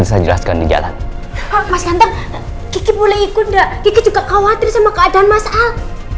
bisa jelaskan di jalan mas kandang kiki boleh ikut gak juga khawatir sama keadaan mas al